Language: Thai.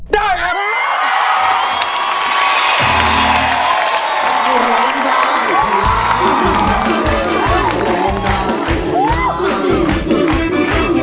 ได้ครับคุณครับ